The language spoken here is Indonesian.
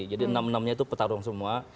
jadi enam enam nya itu petarung semua